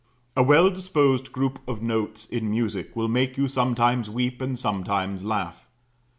A well disposed group of notes in music will make you sometimes weep and sometimes laugh.